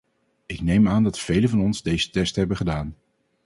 Ik neem aan dat velen van ons deze test hebben gedaan.